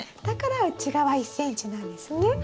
だから内側１ｃｍなんですね。